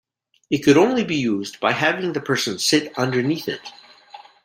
It could only be used by having the person sit underneath it.